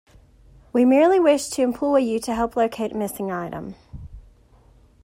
We merely wish to employ you to help locate a missing item.